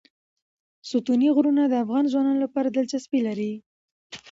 ستوني غرونه د افغان ځوانانو لپاره دلچسپي لري.